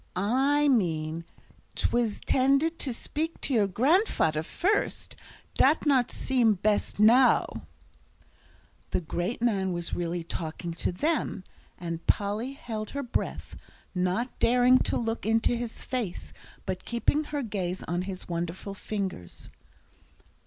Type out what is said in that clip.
"I meant I _in_tended to speak to your grandfader first. Dat not seem best now." The great man was really talking to them, and Polly held her breath, not daring to look into his face, but keeping her gaze on his wonderful fingers.